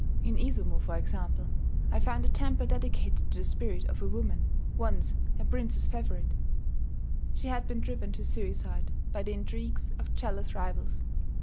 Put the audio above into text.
In Izumo, for example, I found a temple dedicated to the spirit of a woman, once a prince's favourite. She had been driven to suicide by the intrigues of jealous rivals.